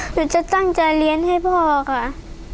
หนูจะตั้งใจเรียนให้พ่อค่ะ